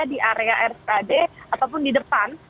di area rspad ataupun di depan